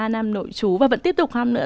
ba năm nội trú và vẫn tiếp tục học nữa